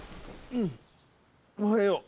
んおはよう。